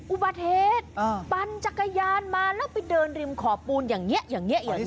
อุบัติเหตุปั่นจักรยานมาแล้วไปเดินริมขอบปูนอย่างนี้อย่างนี้อย่างนี้